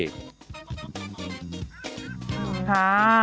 ขอบคุณค่ะ